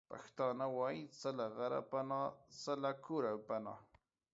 پښتانه وايې:څه له غره پنا، څه له کوره پنا.